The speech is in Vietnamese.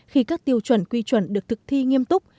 khi các tiêu chuẩn quy chuẩn được thực thi nghiêm túc